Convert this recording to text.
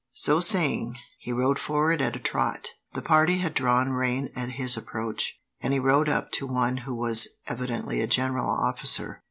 So saying, he rode forward at a trot. The party had drawn rein at his approach, and he rode up to one who was evidently a general officer.